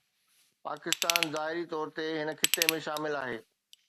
پاڪستان ظاهري طور هن خطي ۾ شامل آهي.